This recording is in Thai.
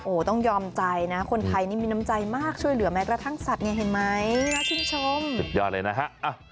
โอ้โหต้องยอมใจนะคนไทยนี่มีน้ำใจมากช่วยเหลือแม้กระทั่งสัตว์เนี่ยเห็นไหมน่าชื่นชมสุดยอดเลยนะฮะ